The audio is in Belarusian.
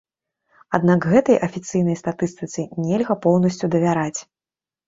Аднак гэтай афіцыйнай статыстыцы нельга поўнасцю давяраць.